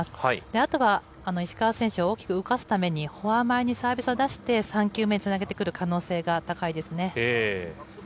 あとは、石川選手を大きく動かすためにフォア前にサービスを出して３球目につなげてくる可能性が高いですね。